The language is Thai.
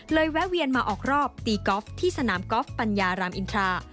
แวะเวียนมาออกรอบตีกอล์ฟที่สนามกอล์ฟปัญญารามอินทรา